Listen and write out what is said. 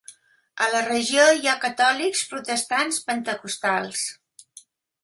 A la regió hi ha catòlics, protestants, pentecostals.